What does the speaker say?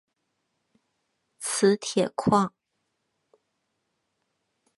磁铁矿。